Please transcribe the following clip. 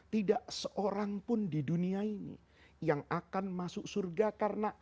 tidak seorang pun di dunia ini yang akan masuk surga karena ada